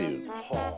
はあ。